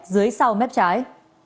dưới sau mép trái